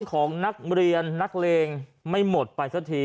ของนักเรียนนักเลงไม่หมดไปสักที